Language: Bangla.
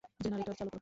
জেনারেটর চালু করো!